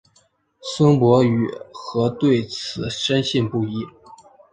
孙傅与何对此深信不疑。